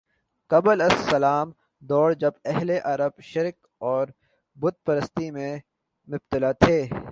قبل از اسلام دور جب اہل عرب شرک اور بت پرستی میں مبتلا تھے